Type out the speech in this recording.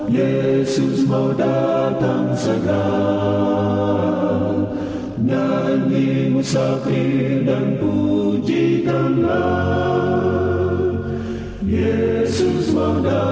yesus mau datang segera